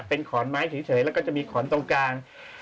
เป็นขอนไม้เฉยแล้วก็จะมีขอนตรงกลาง